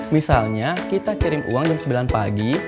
misalnya kita kirim uang jam sembilan pagi